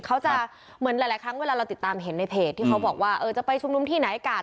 เขาจะเหมือนหลายครั้งเวลาเราติดตามเห็นในเพจที่เขาบอกว่าเออจะไปชุมนุมที่ไหนอากาศ